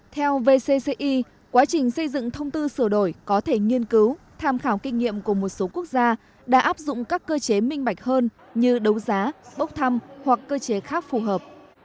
theo vcci quá trình xây dựng thông tư sửa đổi có thể nghiên cứu tham khảo kinh nghiệm của một số quốc gia đã áp dụng các cơ chế minh bạch hơn như đấu giá bốc thăm hoặc cơ chế khác phù hợp